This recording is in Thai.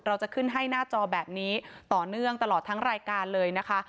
เราจะขึ้นให้หน้าจอแบบนี้ต่อเนื่องตลอดทั้งรายการเลยนะคะ